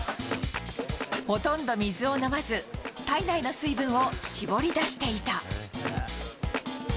ほとんど水を飲まず体内の水分を絞り出していた。